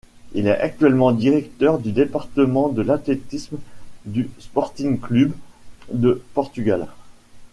Il est actuellement directeur du département de l'athlétisme du Sporting Clube de Portugal.